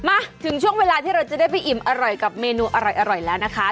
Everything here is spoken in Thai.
มาถึงช่วงเวลาที่เราจะได้ไปอิ่มอร่อยกับเมนูอร่อยแล้วนะคะ